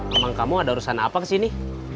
abang kamu ada urusan apa kesini